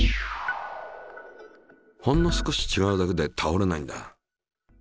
ほんの少しちがうだけでたおれないんだ。